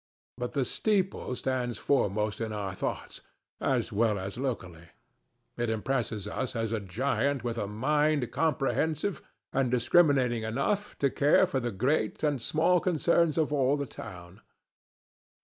But the steeple stands foremost in our thoughts, as well as locally. It impresses us as a giant with a mind comprehensive and discriminating enough to care for the great and small concerns of all the town.